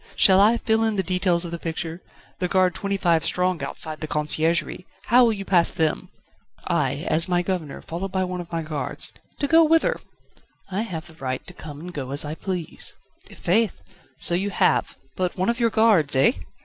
Shall I fill in the details of the picture? the guard twenty five strong outside the Conciergerie, how will you pass them?" "I as the Governor, followed by one of my guards ..." "To go whither?" "I have the right to come and go as I please." "I' faith! so you have, but 'one of your guards' eh?